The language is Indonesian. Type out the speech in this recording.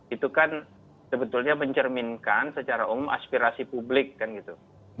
itu kan sebetulnya mencerminkan secara umum aspirasi publik kan gitu